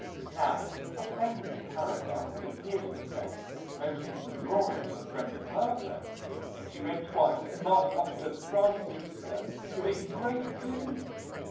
Now a pleasant paragraph that appeared in the press noticing some drawings of a friend of her friend, she read twice and marched off to Francesca with it in great glee.